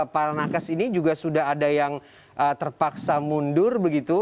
para nakes ini juga sudah ada yang terpaksa mundur begitu